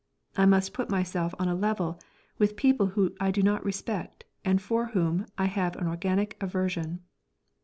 I must put myself on a level with people whom I do not respect and for whom I have an organic aversion.